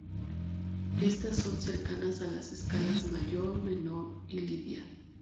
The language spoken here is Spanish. Estas son cercanas a las escalas mayor, menor, y lidia.